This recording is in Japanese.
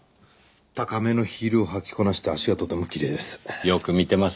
高めのヒールを履きこなして脚がとてもきれいです。